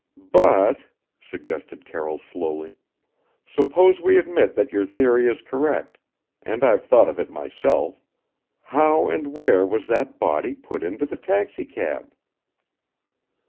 "But," suggested Carroll slowly, "suppose we admit that your theory is correct and I've thought of it myself: how and where was that body put into the taxicab?"